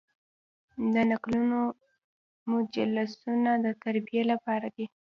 د نکلونو مجلسونه د تربیې لپاره دي.